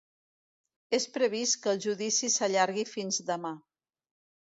És previst que el judici s’allargui fins demà.